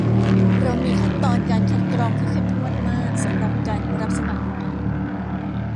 เรามีขั้นตอนการคัดกรองที่เข้มงวดมากสำหรับการรับสมัครใหม่